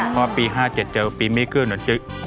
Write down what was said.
เพราะว่าปี๕๗เจอปีไม่เกินเหมือนที่